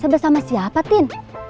sebel sama siapa tin